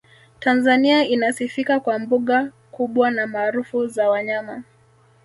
tanzania inasifika kwa mbuga kubwa na maarufu za wanyama